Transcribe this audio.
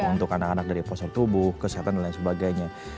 untuk anak anak dari postur tubuh kesehatan dan lain sebagainya